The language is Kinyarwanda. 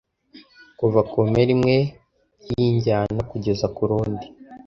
kuva kumpera imwe yinjyana kugeza kurundi